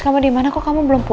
sabart apa mbak kamu